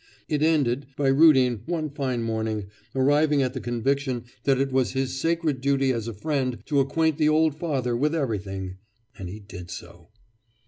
It ended by Rudin, one fine morning, arriving at the conviction that it was his sacred duty as a friend to acquaint the old father with everything and he did so.